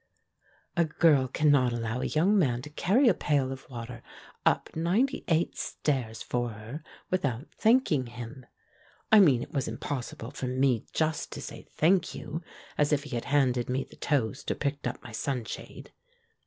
A girl cannot allow a young man to carry a pail of water up ninety eight stairs for her with out thanking him. I mean it was impossible for me just to say "Thank you," as if he had handed me the toast, or picked up my sunshade.